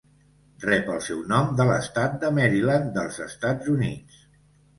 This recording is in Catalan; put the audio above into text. Rep el seu nom de l'estat de Maryland dels Estats Units.